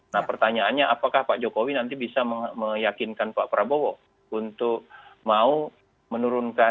nah pertanyaannya apakah pak jokowi nanti bisa meyakinkan pak prabowo untuk mau menurunkan